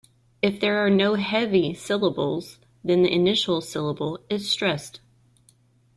If there are no heavy syllables, then the initial syllable is stressed.